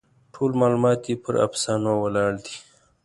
ټول معلومات یې پر افسانو ولاړ دي.